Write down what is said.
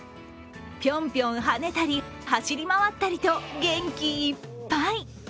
ぴょんぴょんはねたり走り回ったりと元気いっぱい。